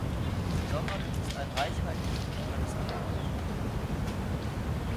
Im Sommer gibt es ein reichhaltiges kulturelles Angebot.